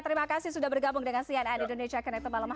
terima kasih sudah bergabung dengan cnn indonesia connect